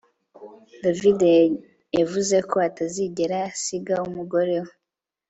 David yavuze ko atazigera asiga umugore we